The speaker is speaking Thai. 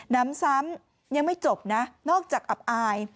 น้ำซ้ำยังไม่จบนะนอกจากอับอาย